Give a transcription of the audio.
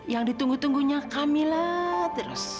yang ditunggu tunggunya kak mila terus